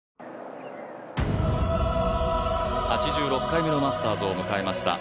８６回目のマスターズを迎えました。